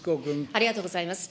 ありがとうございます。